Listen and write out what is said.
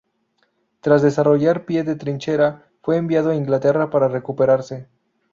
Tras desarrollar pie de trinchera, fue enviado a Inglaterra para recuperarse.